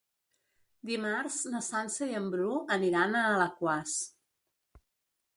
Dimarts na Sança i en Bru aniran a Alaquàs.